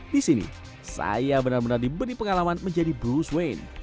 di sini saya benar benar diberi pengalaman menjadi bruce wayne